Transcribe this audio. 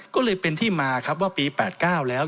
ก็เลยเป็นที่มาครับว่าปี๘๙แล้ว